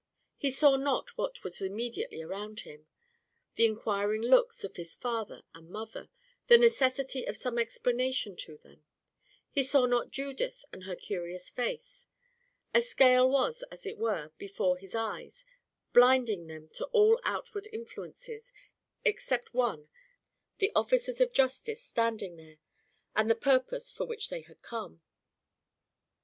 He saw not what was immediately around him the inquiring looks of his father and mother, the necessity of some explanation to them; he saw not Judith and her curious face. A scale was, as it were, before his eyes, blinding them to all outward influences, except one the officers of justice standing there, and the purpose for which they had come.